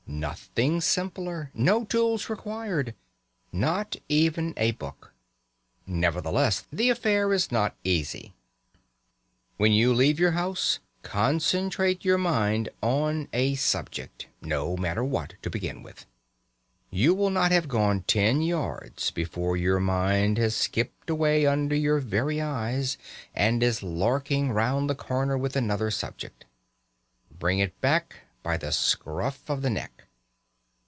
Nothing simpler! No tools required! Not even a book. Nevertheless, the affair is not easy. When you leave your house, concentrate your mind on a subject (no matter what, to begin with). You will not have gone ten yards before your mind has skipped away under your very eyes and is larking round the corner with another subject. Bring it back by the scruff of the neck.